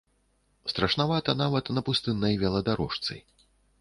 Страшнавата нават на пустыннай веладарожцы.